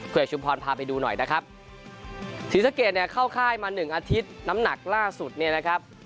เอกชุมพรพาไปดูหน่อยนะครับศรีสะเกดเนี่ยเข้าค่ายมาหนึ่งอาทิตย์น้ำหนักล่าสุดเนี่ยนะครับ